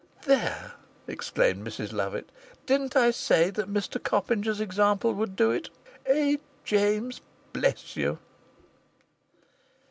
"There!" exclaimed Mrs Lovatt. "Didn't I say that Mr Copinger's example would do it? Eh, James! Bless you!"